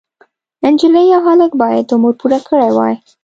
نجلۍ او هلک باید عمر پوره کړی وای.